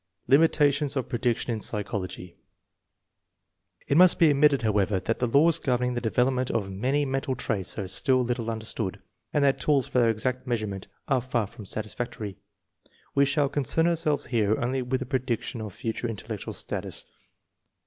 Limitations of prediction in psychology. It must be admitted, however, that the laws governing the devel opmentof many mental traits are still little understood, and that tools for their exact measurement are far from satisfactory. We shall concern ourselves here only with the prediction of future intellectual status.